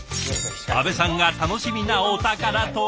阿部さんが楽しみなお宝とは？